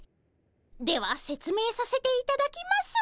ではせつめいさせていただきます。